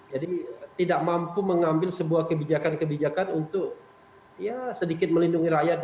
jadi tidak mampu mengambil sebuah kebijakan kebijakan untuk ya sedikit melindungi rakyat